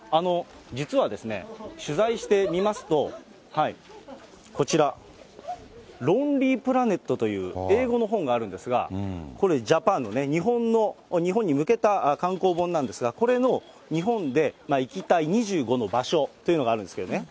実はですね、取材してみますと、こちら、ロンリープラネットという英語の本があるんですが、これ、ジャパンのね、日本に向けた観光本なんですが、これの日本で行きたい２５の場所というのがあるんですけどね。